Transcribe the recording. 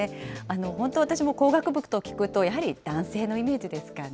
本当、私も工学部と聞くと、やはり男性のイメージですかね。